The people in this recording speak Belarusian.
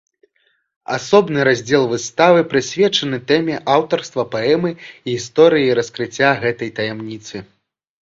Асобны раздзел выставы прысвечаны тэме аўтарства паэмы і гісторыі раскрыцця гэтай таямніцы.